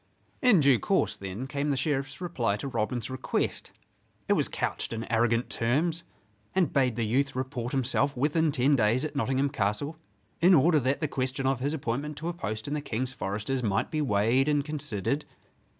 In due course, then, came the Sheriff's reply to Robin's request. It was couched in arrogant terms, and bade the youth report himself within ten days at Nottingham Castle in order that the question of his appointment to a post in the King's Foresters might be weighed and considered.